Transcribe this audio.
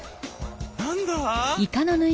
何だ？